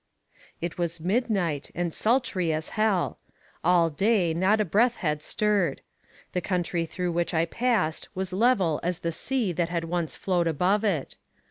"It was midnight, and sultry as hell. All day not a breath had stirred. The country through which I passed was level as the sea that had once flowed above it.